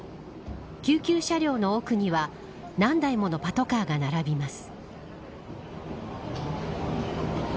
救急車両の奥には何台ものパトカーが並びます。